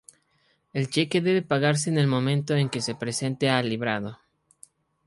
El cheque debe pagarse en el momento en que se presente al librado.